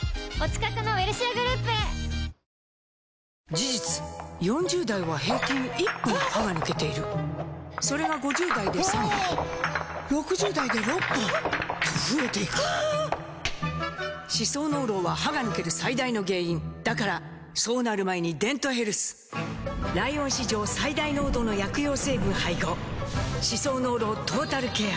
事実４０代は平均１本歯が抜けているそれが５０代で３本６０代で６本と増えていく歯槽膿漏は歯が抜ける最大の原因だからそうなる前に「デントヘルス」ライオン史上最大濃度の薬用成分配合歯槽膿漏トータルケア！